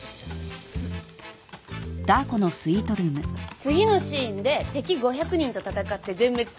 次のシーンで敵５００人と戦って全滅させる。